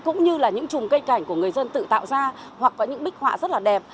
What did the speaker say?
cũng như là những chùm cây cảnh của người dân tự tạo ra hoặc có những bích họa rất là đẹp